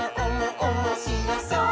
おもしろそう！」